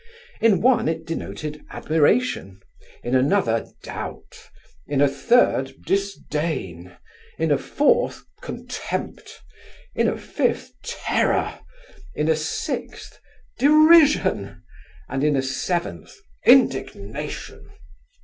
In one, it denoted admiration; in another, doubt; in a third, disdain; in a fourth, contempt; in a fifth, terror; in a sixth, derision; and in a seventh, indignation.